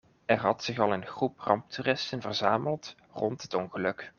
Er had zich al een groep ramptoeristen verzameld rond het ongeluk.